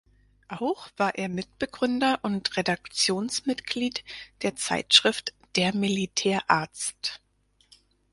Auch war er Mitbegründer und Redaktionsmitglied der Zeitschrift „Der Militärarzt“.